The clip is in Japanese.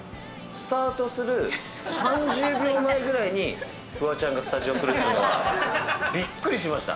スタートする３０秒前ぐらいに、フワちゃんがスタジオに来るというのはびっくりしました。